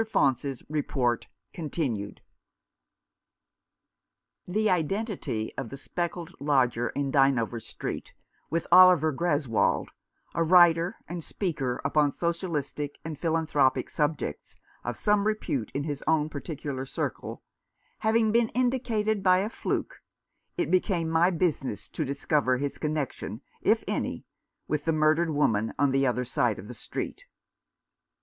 FAUNCE'S REPORT CONTINUED. The identity of the spectacled lodger in Dynevor Street with Oliver Greswold, a writer and speaker upon socialistic and philanthropic subjects, of some repute in his own particular circle, having been indicated by a fluke, it became my business to discover his connection, if any, with the murdered woman on the other side of the street.